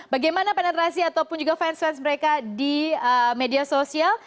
bagaimana penetrasi ataupun juga fans fans mereka di media sosial